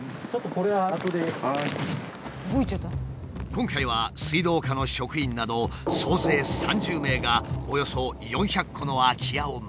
今回は水道課の職員など総勢３０名がおよそ４００戸の空き家を回った。